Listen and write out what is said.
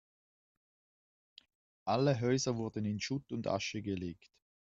Alle Häuser wurden in Schutt und Asche gelegt.